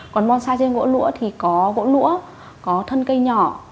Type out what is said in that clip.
còn bonsai trên gỗ lũa thì có gỗ lũa có thân cây nhỏ